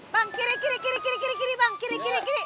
bang kiri kiri kiri kiri kiri